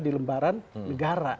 di lembaran negara